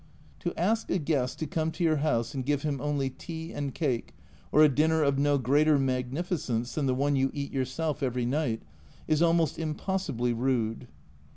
To ask a guest to come to your house and give him only tea and cake, or a dinner of no greater magnificence than the one you eat yourself every night, is almost impossibly rude.